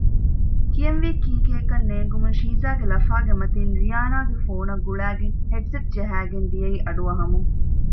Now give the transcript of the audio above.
ކިޔަންވީ ކީކޭ ކަން ނޭނގުމުން ޝީޒާގެ ލަފާގެ މަތިން ރިޔާނާގެ ފޯނަށް ގުޅައިގެން ހެޑްސެޓް ޖަހައިގެން ދިޔައީ އަޑުއަހަމުން